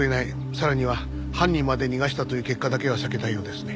さらには犯人まで逃がしたという結果だけは避けたいようですね。